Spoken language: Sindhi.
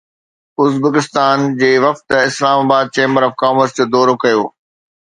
ازبڪستان جي وفد جو Islamabad chamber of commerce جو دورو